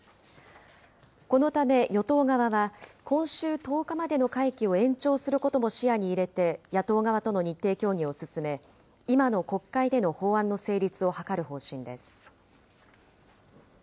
このため与党側は、今週１０日までの会期を延長することも視野に入れて、野党側との日程協議を進め、今の国会での法案の成立を図る方針です。